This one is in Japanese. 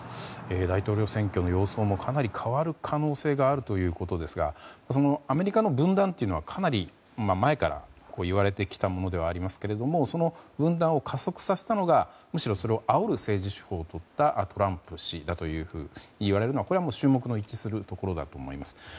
大統領選挙の様相もかなり変わる可能性があるということですがアメリカの分断というのはかなり前からいわれてきたものではありますけどもその分断を加速させたのがむしろ、それをあおる政治手法をとったトランプ氏だといわれるのは衆目の一致だと思います。